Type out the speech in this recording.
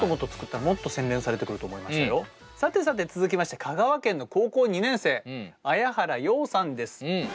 さてさて続きまして香川県の高校２年生綾原陽さんです。